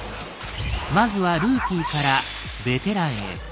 まずは「ルーキー」から「ベテラン」へ。